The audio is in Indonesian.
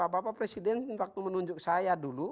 karena bapak presiden waktu menunjuk saya dulu